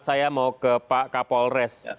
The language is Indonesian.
saya mau ke pak kapolres